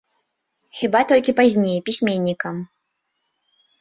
Хіба толькі пазней, пісьменнікам.